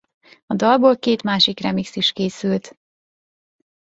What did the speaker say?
A dalból két másik remix is készült.